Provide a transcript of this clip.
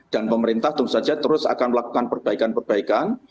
dan pemerintah tentu saja terus akan melakukan perbaikan perbaikan